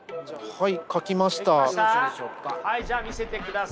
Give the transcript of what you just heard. はい。